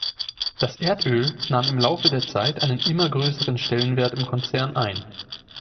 Das Erdöl nahm im Laufe der Zeit einen immer größeren Stellenwert im Konzern ein.